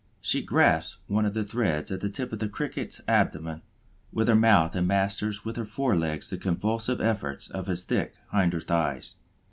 She grasps one of the threads at the tip of the Cricket's abdomen with her mouth and masters with her fore legs the convulsive efforts of his thick hinder thighs.